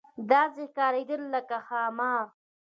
داسې ښکارېدله لکه د ښامار.